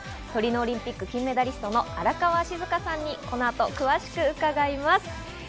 トリノオリンピック金メダリストの荒川静香さんにこの後詳しく伺います。